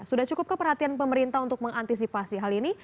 sudah cukup keperhatian pemerintah untuk mengantisipasi hal ini